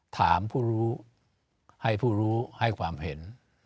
ถามผู้รู้ให้ผู้รู้ให้ความเห็น